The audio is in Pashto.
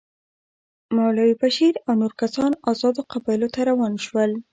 مولوي بشیر او نور کسان آزادو قبایلو ته روان شول.